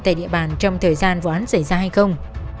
tại địa bàn trong thời gian vụ án xảy ra hay không